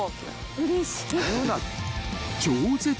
うれしい。